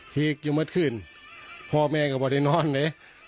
พลิกยุ่งเมื่อคืนพ่อแม่กับพ่อได้นอนไง